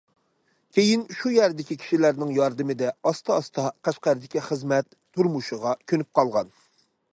كېيىن شۇ يەردىكى كىشىلەرنىڭ ياردىمىدە ئاستا- ئاستا قەشقەردىكى خىزمەت، تۇرمۇشىغا كۆنۈپ قالغان.